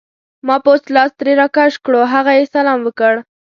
ما پوست لاس ترې راکش کړو، هغه یې سلام وکړ.